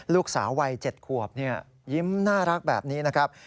ลูกสาววัย๗ขวบยิ้มน่ารักแบบนี้นะครับ